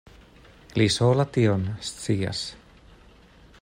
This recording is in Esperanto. Li sola tion scias.